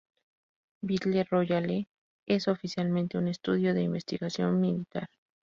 Battle Royale es oficialmente un estudio de investigación militar.